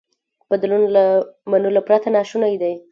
بدلون له منلو پرته ناشونی دی.